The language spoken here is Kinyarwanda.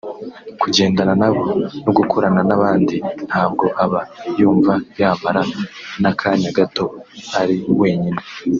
kujyendana nabo no gukorana n’abandi ntabwo aba yumva yamara n’akanya gato ari wenyine